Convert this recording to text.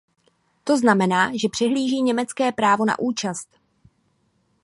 To znamená, že přehlíží německé právo na účast.